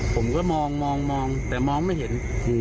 ผมก็มองมองมองแต่มองไม่เห็น